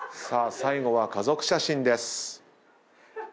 さあ最後は家族写真です。